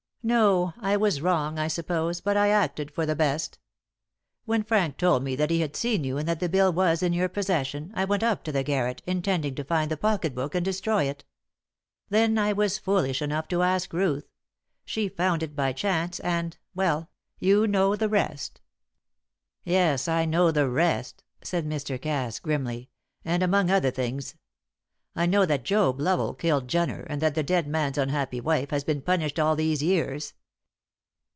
No, I was wrong, I suppose, but I acted for the best. When Frank told me that he had seen you, and that the bill was in your possession, I went up to the garret, intending to find the pocket book and destroy it. Then I was foolish enough to ask Ruth; she found it by chance and well, you know the rest." "Yes, I know the rest," said Mr. Cass, grimly; "and, among other things. I know that Job Lovell killed Jenner, and that the dead man's unhappy wife has been punished all these years.